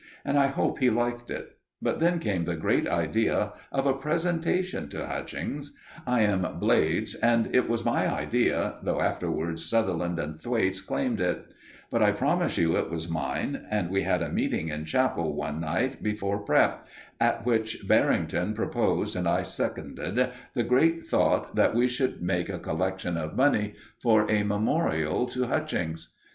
And I hope he liked it. But then came the great idea of a presentation to Hutchings. I am Blades, and it was my idea, though afterwards Sutherland and Thwaites claimed it. But I promise you it was mine, and we had a meeting in chapel one night before prep., at which Barrington proposed and I seconded the great thought that we should make a collection of money for a memorial to Hutchings.